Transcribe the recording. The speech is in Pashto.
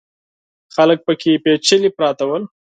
خلک پکې پېچلي پراته ول.